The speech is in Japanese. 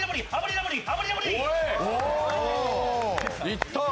いったー。